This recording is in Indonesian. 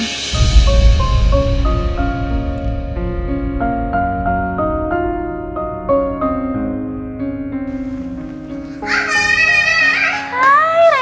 biar akhirnya selesai